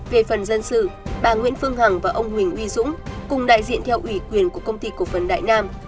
về phần dân sự bà nguyễn phương hằng và ông huỳnh uy dũng cùng đại diện theo ủy quyền của công ty cổ phần đại nam